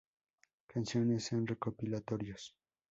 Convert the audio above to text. Canciones en recopilatorios